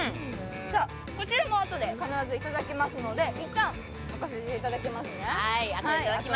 こちらもあとで必ずいただきますので、いったん置かせていただきますね。